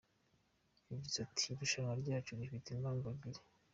Yagize ati “Irushanwa ryacu rifite impamvu ebyiri.